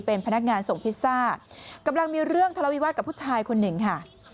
เป็นพนักงานส่งพิซซ่ากำลังมีเรื่องทะเลาวิวาสกับผู้ชายคนหนึ่งค่ะ